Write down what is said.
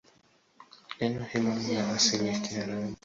Neno hilo lina asili ya Kibantu.